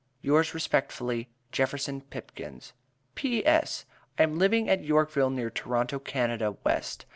Yours Respectfully, JEFFERSON PIPKINS. P.S. I am living at Yorkville near Toronto Canada West.